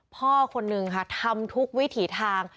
พ่อคนนึงค่ะทำทุกวิถีทาง